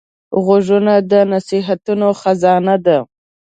غوږونه د نصیحتونو خزانه ده